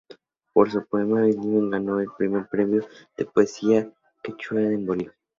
Por su poema "Illimani" ganó el primer premio de poesía quechua en Bolivia.